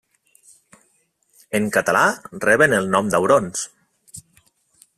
En català reben el nom d'aurons.